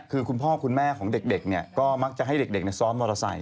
คือคุณพ่อคุณแม่ของเด็กเนี่ยก็มักจะให้เด็กซ้อมมอเตอร์ไซค